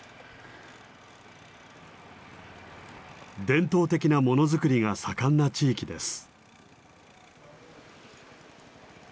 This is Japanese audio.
伝統的なものづくりが盛んな地域です。